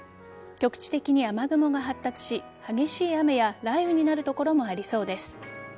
局地的に雨雲が発達し激しい雨や雷雨になる所もありそうです。